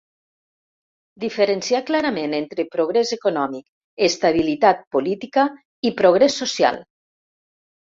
Diferenciar clarament entre progrés econòmic, estabilitat política i progrés social.